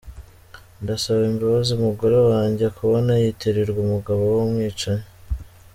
Ndasaba imbabazi umugore wanjye kubona yitirirwa umugabo w’umwicanyi.